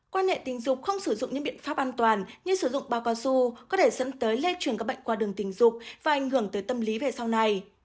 quan hệ tình dục không sử dụng những biện pháp an toàn như sử dụng bao cao su có thể dẫn tới lây truyền các bệnh qua đường tình dục và ảnh hưởng tới tâm lý về sau này